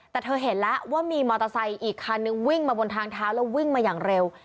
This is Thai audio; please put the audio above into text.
แต่เธอเห็นแล้วว่ามีมอเตอร์ไซค์อีกคันนึงวิ่งมาบนทางเท้าแล้ววิ่งมาอย่างเร็ว